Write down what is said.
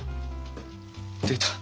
出た！